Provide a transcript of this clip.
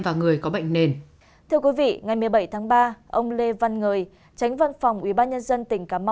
và người có bệnh nền thưa quý vị ngày một mươi bảy tháng ba ông lê văn người tránh văn phòng ubnd tp hcm